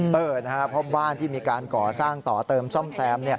เพราะบ้านที่มีการก่อสร้างต่อเติมซ่อมแซม